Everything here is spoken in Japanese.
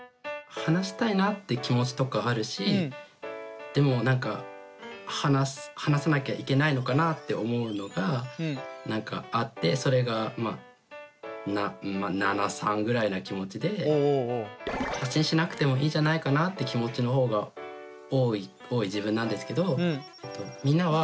話したいなって気持ちとかあるしでも話さなきゃいけないのかなって思うのがなんかあってそれがまあ７：３ぐらいの気持ちで発信しなくてもいいんじゃないかなって気持ちの方が多い自分なんですけど。